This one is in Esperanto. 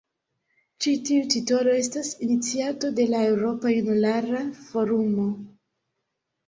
Ĉi tiu titolo estas iniciato de la Eŭropa Junulara Forumo.